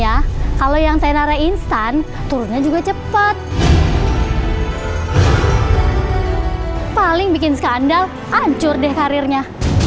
ya kalau yang tenarnya instan turunnya juga cepat paling bikin skandal hancur deh karirnya